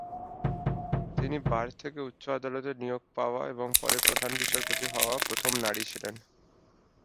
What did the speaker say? তিনি বার থেকে উচ্চ আদালতে নিয়োগ পাওয়া এবং পরে প্রধান বিচারপতি হওয়া প্রথম নারী ছিলেন।